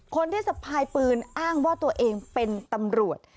คนที่สะพายปืนอ้างว่าตัวเองเป็นตำรวจ